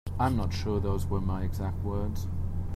I'm not sure those were my exact words.